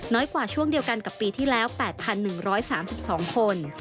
กว่าช่วงเดียวกันกับปีที่แล้ว๘๑๓๒คน